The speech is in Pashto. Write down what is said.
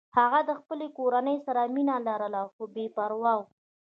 هغه د خپلې کورنۍ سره مینه لرله خو بې پروا و